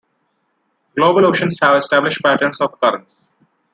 Global oceans have established patterns of currents.